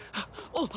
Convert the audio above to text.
あっ。